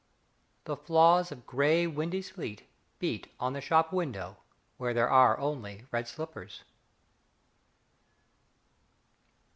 The flaws of grey, windy sleet beat on the shop window where there are only red slippers.